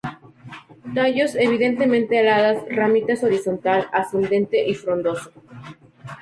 Tallos evidentemente aladas; ramitas horizontal, ascendente y frondoso.